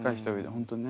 本当にね。